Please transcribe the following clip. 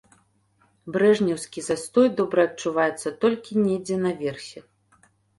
Брэжнеўскі застой добра адчуваецца толькі недзе наверсе.